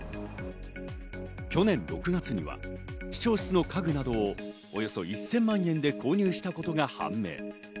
去年６月には市長室の家具などをおよそ１０００万円で購入したことが判明。